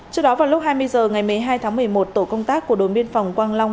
trước đó vào lúc hai mươi h ngày một mươi hai tháng một mươi một tổ công tác của đồn biên phòng quang long